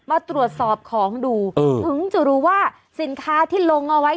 มาตรวจสอบของดูถึงจะรู้ว่าสินค้าที่ลงเอาไว้